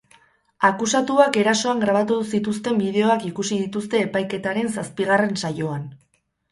Akusatuak erasoan grabatu zituzten bideoak ikusi dituzte epaiketaren zazpigarren saioan.